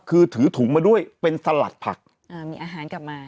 คือถือถุงมาด้วยเป็นสลัดผักอ่ามีอาหารกลับมา